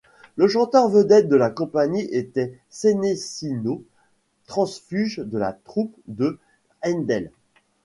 Le chanteur vedette de la compagnie était Senesino, transfuge de la troupe de Haendel.